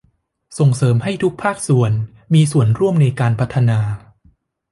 ส่งเสริมให้ทุกภาคส่วนมีส่วนร่วมในการพัฒนา